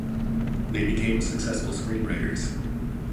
They became successful screenwriters.